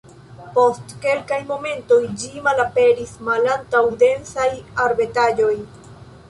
Post kelkaj momentoj ĝi malaperis malantaŭ densaj arbetaĵoj.